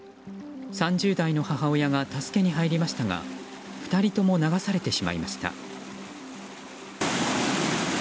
３０代の母親が助けに入りましたが２人とも流されてしまいました。